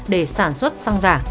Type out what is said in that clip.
để sản xuất xăng giả